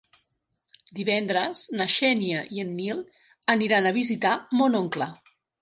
Divendres na Xènia i en Nil aniran a visitar mon oncle.